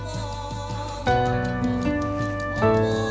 kakung putri datang kakung